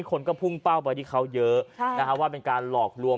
คนก็พุ่งเป้าไปที่เขาเยอะว่าเป็นการหลอกลวง